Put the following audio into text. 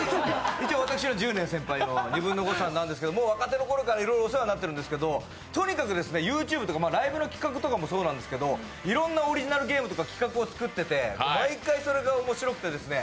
一応、私よりも１０年先輩のニブンノゴ！さんですけどもう若手のころからいろいろお世話になってるんですけどとにかくＹｏｕＴｕｂｅとかライブの企画とかもそうなんですけどいろんなオリジナルゲームとか企画を作ってて、毎回それが面白くてですね